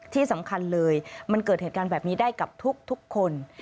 ที่สำคัญเลยมันเกิดเหตุการณ์แบบนี้ได้กับทุกคน